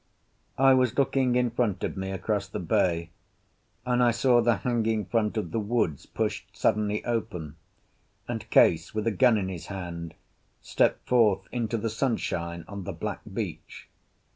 I was looking in front of me across the bay, and I saw the hanging front of the woods pushed suddenly open, and Case, with a gun in his hand, step forth into the sunshine on the black beach.